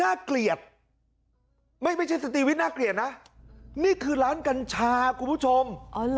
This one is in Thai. น่าเกลียดไม่ไม่ใช่สตีวิทย์น่าเกลียดน่ะนี่คือร้านกัญชากลุ่มผู้ชมอ๋อเหรอ